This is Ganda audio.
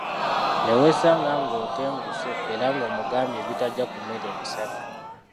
Neweesanga “ng'otenguse”era ng’omugambye ebitajja ku mmere emisana.